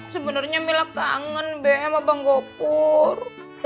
sebenernya mila kangen be sama bang gopur